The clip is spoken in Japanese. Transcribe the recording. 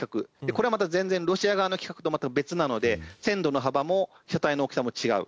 これはまた全然ロシア側の規格と全く別なので線路の幅も車体の大きさも違う。